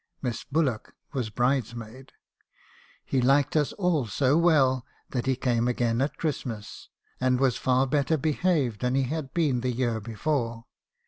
Miss Bullock was bridesmaid. He liked us all so well, that he came again at Christmas , and was far better behaved than he had been the year before.